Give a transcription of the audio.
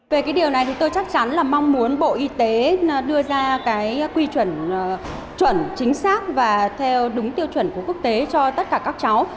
về cái điều này thì tôi chắc chắn là mong muốn bộ y tế đưa ra cái quy chuẩn chuẩn chính xác và theo đúng tiêu chuẩn của quốc tế cho tất cả các cháu